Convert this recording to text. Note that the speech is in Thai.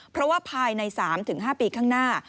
เพราะว่าภายใน๓๕ปีข้างหน้า